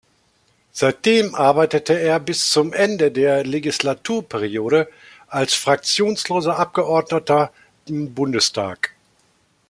Seitdem arbeitete er bis zum Ende der Legislaturperiode als fraktionsloser Abgeordneter im Bundestag.